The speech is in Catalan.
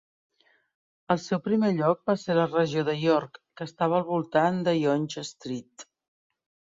El seu primer lloc va ser la regió de York que estava al voltant de Yonge Street.